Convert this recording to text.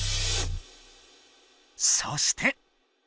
そして。